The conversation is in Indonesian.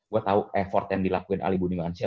gue tahu effort yang dilakuin ali budi mansyah